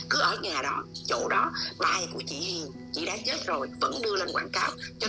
cứ ở nhà đó chỗ đó ai của chị hiền chị đã chết rồi vẫn đưa lên quảng cáo